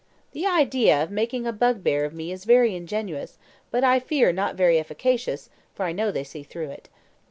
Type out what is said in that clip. The idea of making a bugbear of me is very ingenious, but I fear not very efficacious, for I know they see through it.